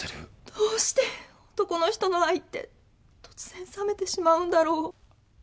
どうして男の人の愛って突然冷めてしまうんだろう？